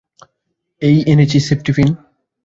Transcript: এই এনেছি সেফটিপিন।